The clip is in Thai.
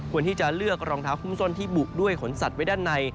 ที่จะเลือกรองเท้าหุ้มส้นที่บุด้วยขนสัตว์ไว้ด้านใน